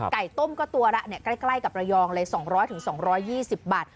ต้มก็ตัวละใกล้กับระยองเลย๒๐๐๒๒๐บาท